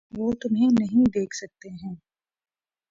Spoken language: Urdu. وہ تمہیں نہیں دیکھ سکتے ہیں۔